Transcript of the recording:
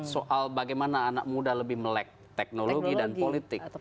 soal bagaimana anak muda lebih melek teknologi dan politik